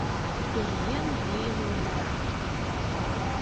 — Пӧръеҥ вийым йомдара.